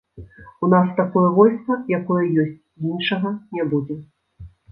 У нас такое войска, якое ёсць, і іншага не будзе.